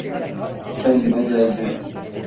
Kendine geldi.